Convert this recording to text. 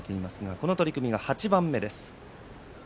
この取組が８番目です。